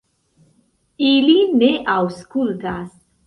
Ili ne aŭskultas.